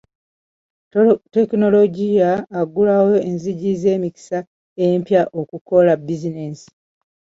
Tekinologiya aggulawo enzigi z'emikisa empya okukola bizinensi.